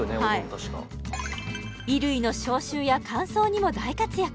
確か衣類の消臭や乾燥にも大活躍